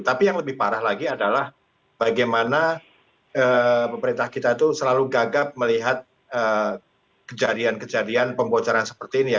tapi yang lebih parah lagi adalah bagaimana pemerintah kita itu selalu gagap melihat kejadian kejadian pembocoran seperti ini ya